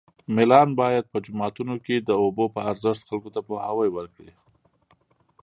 ملان باید په جوماتو کې د اوبو په ارزښت خلکو ته پوهاوی ورکړي